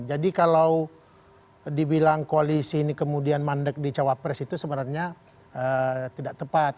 jadi kalau dibilang koalisi ini kemudian mandek di cawapres itu sebenarnya tidak tepat